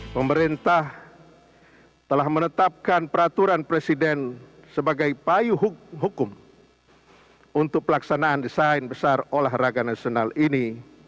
pemerintah telah menetapkan peraturan presiden sebagai payung hukum untuk pelaksanaan desain besar olahraga nasional ini